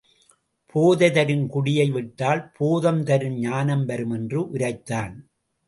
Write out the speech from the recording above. போதை தரும் குடியை விட்டால் போதம் தரும் ஞானம் வரும் என்று உரைத்தான்.